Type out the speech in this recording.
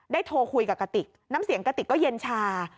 โทรคุยกับกะติกน้ำเสียงกระติกก็เย็นชา